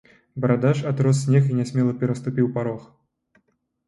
Барадач атрос снег і нясмела пераступіў парог.